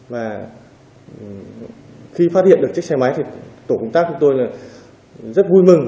và khi phát hiện được chiếc xe máy thì tổ công tác của tôi rất vui mừng